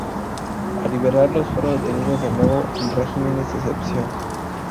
Al liberarlos fueron detenidos de nuevo en regímenes de excepción.